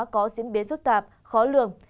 có diễn biến phức tạp khó lường